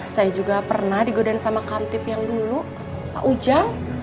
saya juga pernah digodon sama kamtip yang dulu pak ujang